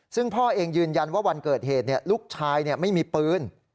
ซึ่งพ่อเองยืนยันว่าวันเกิดเหตุลูกชายไม่มีปืน